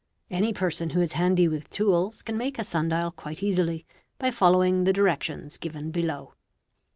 Any person who is handy with tools can make a sun dial quite easily, by following the directions given below.